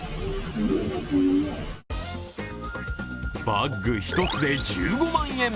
バッグ１つで１５万円。